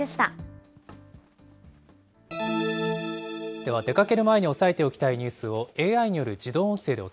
では、出かける前に押さえておきたいニュースをＡＩによる自動音声でお